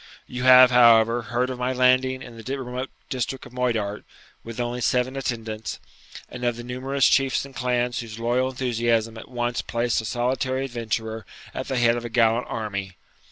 You have, however, heard of my landing in the remote district of Moidart, with only seven attendants, and of the numerous chiefs and clans whose loyal enthusiasm at once placed a solitary adventurer at the head of a gallant army.